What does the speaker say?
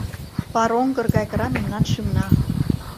Пар оҥгыр гай кыра мемнан шӱмна.